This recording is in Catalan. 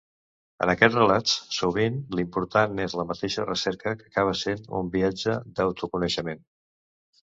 En aquests relats sovint l'important és la mateixa recerca, que acaba sent un viatge d'autoconeixement.